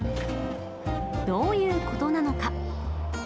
どういうことなのか。